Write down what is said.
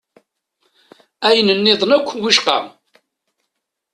Ayen-nniḍen akk wicqa!